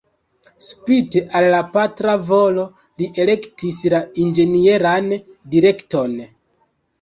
Spite al la patra volo, li elektis la inĝenieran direkton.